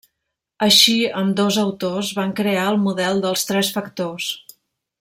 Així ambdós autors van crear el Model dels Tres Factors.